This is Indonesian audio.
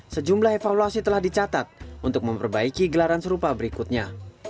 sejumlah evaluasi telah dicatat untuk memperbaiki gelaran serupa berikutnya